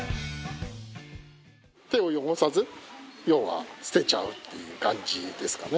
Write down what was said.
手を汚さず要は捨てちゃうっていう感じですかね。